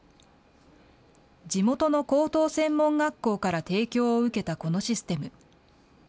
地元の高等専門学校から提供を受けた、このシステム。